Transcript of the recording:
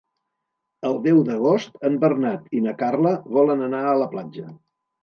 El deu d'agost en Bernat i na Carla volen anar a la platja.